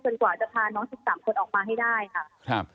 จนกว่าจะพาร้องและสิตสามคนออกมาให้ได้ค่ะ